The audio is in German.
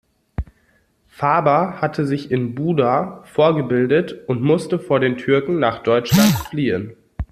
Faber hatte sich in Buda vorgebildet und musste vor den Türken nach Deutschland fliehen.